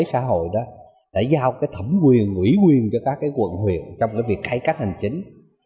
xã hội đã giao thẩm quyền ủy quyền cho các quận huyện trong việc cải cách hành chính